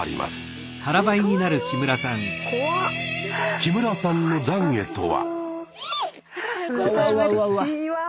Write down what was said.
木村さんのざんげとは？